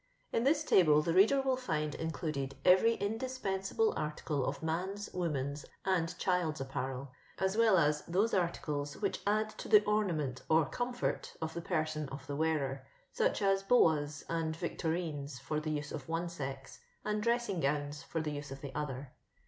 In this table the reader will find included every indispensable artaela of man's, woman's, and child's apparsl, aa wdl as those articles whieh add totfca:4iniament or comfort of the person of the wearer; such as boas and victorines for the use of one sex, and dressing gowns for the use of the other.